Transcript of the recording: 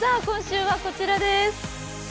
今週はこちらです。